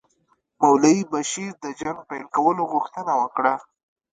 مولوي بشیر د جنګ پیل کولو غوښتنه وکړه.